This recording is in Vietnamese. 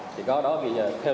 chỉ có đó thì theo lực lượng